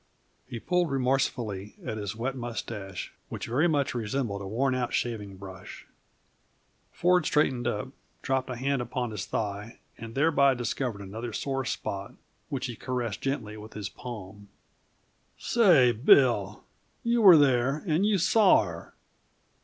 He pulled remorsefully at his wet mustache, which very much resembled a worn out sharing brush. Ford straightened up, dropped a hand upon his thigh, and thereby discovered another sore spot, which he caressed gently with his palm. "Say, Bill, you were there, and you saw her.